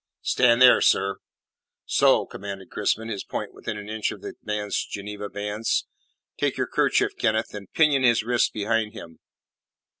"Stand there, sir. So," commanded Crispin, his point within an inch of the man's Geneva bands. "Take your kerchief, Kenneth, and pinion his wrists behind him."